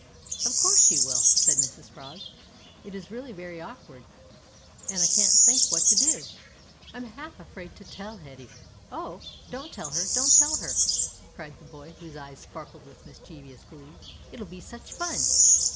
"Of course she will," said Mrs Frog; "it is really very awkward, an' I can't think what to do. I'm half afraid to tell Hetty." "Oh! don't tell her don't tell her," cried the boy, whose eyes sparkled with mischievous glee. "It'll be sich fun!